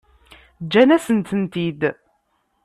Ǧǧan-asen-tent-id?